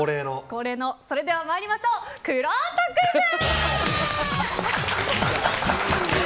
恒例の、それでは参りましょうくろうとクイズ！